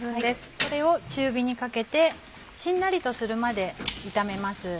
これを中火にかけてしんなりとするまで炒めます。